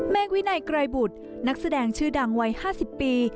วินัยไกรบุตรนักแสดงชื่อดังวัย๕๐ปี